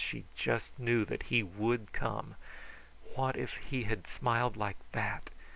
She just knew that he would come. What if he had smiled like that!